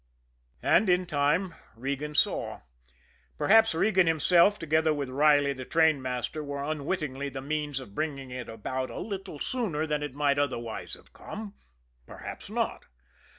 And, in time, Regan saw. Perhaps Regan himself, together with Riley, the trainmaster, were unwittingly the means of bringing it about a little sooner than it might otherwise have come perhaps not.